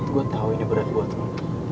gue tau ini berat buat lo